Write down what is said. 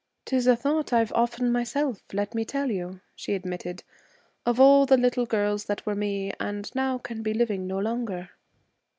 ''Tis a thought I've often myself, let me tell you,' she admitted. 'Of all the little girls that were me, and now can be living no longer.'